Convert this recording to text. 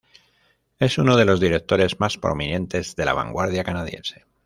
Es uno de los directores más prominentes de la vanguardia canadiense.